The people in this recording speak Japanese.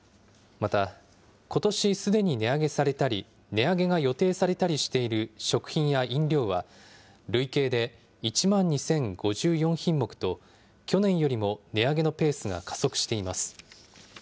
また、ことしすでに値上げされたり、値上げが予定されたりしている食品や飲料は、累計で１万２０５４品目と、去年よりも値上げのペースが加速しています。